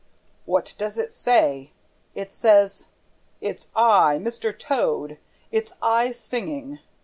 What does it say? It says, 'It's I, Mr. Toad, it's I singing!